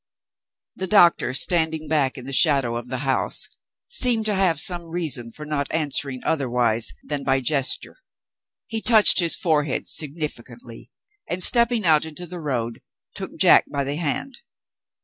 The doctor, standing back in the shadow of the house, seemed to have some reason for not answering otherwise than by gesture. He touched his forehead significantly; and, stepping out into the road, took Jack by the hand.